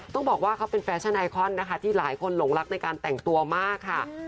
ต้องบอกว่าเขาเป็นแฟชั่นไอคอนนะคะที่หลายคนหลงรักในการแต่งตัวมากค่ะ